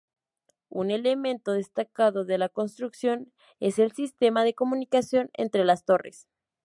Un elemento destacado de la construcción es el sistema de comunicación entre las torres.